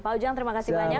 pak ujang terima kasih banyak